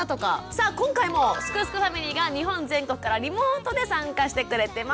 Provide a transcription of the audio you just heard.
さあ今回も「すくすくファミリー」が日本全国からリモートで参加してくれてます。